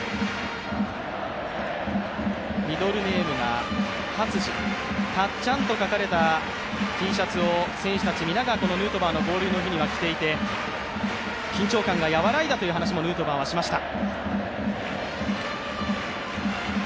ミドルネームが達治、たっちゃんと書かれたＴシャツを選手たち皆がヌートバー合流の日には着ていて、緊張感が和らいだという話をしました。